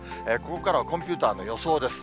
ここからはコンピューターの予想です。